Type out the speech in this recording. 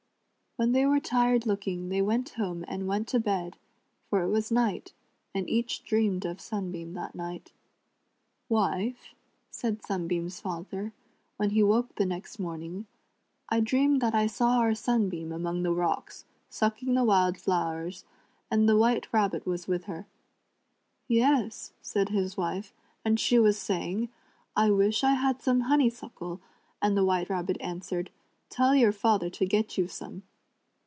When they were tired looking they went home and went to bed, for it was night, and each dreamed of Sunbeam that night. "Wife," said Sunbeam's father, when he woke the next morning, " I dreamed that I saw our Sunbeam among the rocks, sucking the wild flowers, and the White Rabbit was with her." "Yes," said his wife, "and she was saving, 'I wish I had some honeysuckle,' and the White Rabbit an swered :' Tell your father to get you some."